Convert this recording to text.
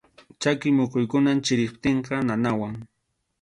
Chaki muquykunam chiriptinqa nanawan.